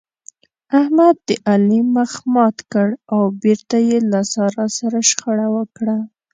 احمد د علي مخ مات کړ او بېرته يې له سارا سره شخړه وکړه.